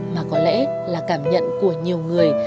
mà có lẽ là cảm nhận của nhiều người